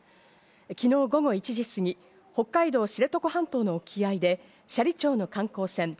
昨日午後１時過ぎ、北海道知床半島の沖合で斜里町の観光船